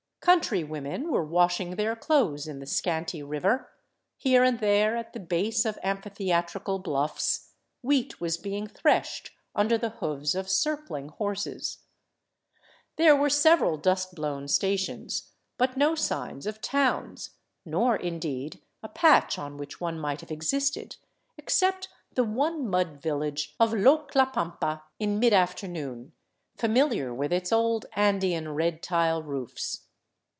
Country women were washing their clothes in the scanty river ; here and there, at the base of amphitheatrical bluffs, wheat was being threshed under the hoofs of circling horses. There were several dust blown stations, but no signs of towns, nor, indeed, a patch on which one might have existed, except the one mud village of LlocUapampa in mid afternoon, familiar with its old Andean red tile roofs.